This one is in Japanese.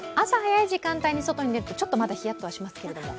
朝早い時間帯に外に出ると、ちょっとヒヤッとしますけど。